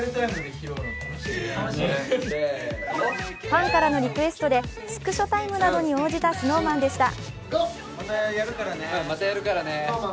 ファンからのリクエストでスクショタイムなどに応じたＳｎｏｗＭａｎでした。